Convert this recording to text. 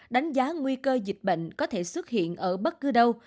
đánh giá nguy cơ dịch bệnh có thể xuất hiện ở bất cứ đâu